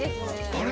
あれ？